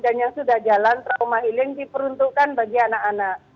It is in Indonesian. dan yang sudah jalan trauma healing diperuntukkan bagi anak anak